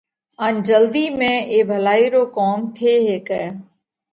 ان جلڌِي ۾ اي ڀلائِي رو ڪوم ٿي هيڪئھ۔